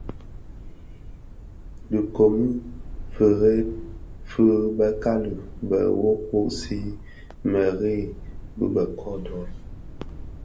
Dhi komid firebèn fi bekali bè woowoksi mëree bi bë kodo.